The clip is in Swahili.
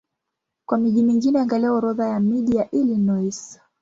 Kwa miji mingine angalia Orodha ya miji ya Illinois.